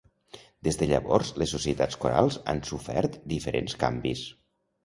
Des de llavors, les societats corals han sofert diferents canvis.